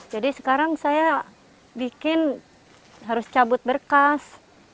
jadi sekarang saya bikin harus cabut bekas